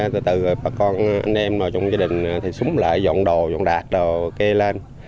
từ từ bà con anh em trong gia đình thì súng lại dọn đồ dọn đạc đồ kê lên